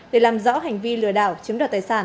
để làm rõ hành vi lừa đảo chiếm đoạt tài sản